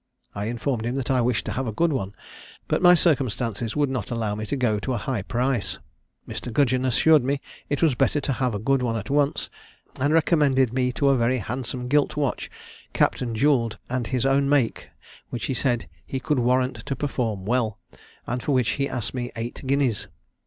I informed him that I wished to have a good one, but my circumstances would not allow me to go to a high price. Mr. Gudgeon assured me it was better to have a good one at once, and recommended me to a very handsome gilt watch, capped and jewelled, and his own make, which he said he could warrant to perform well, and for which he asked me eight guineas.